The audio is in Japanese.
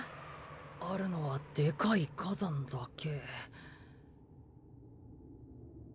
あるのはでかい火山だけ。